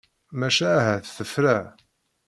Maca ahat tefra.